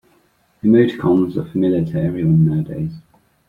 Emoticons are familiar to everyone nowadays.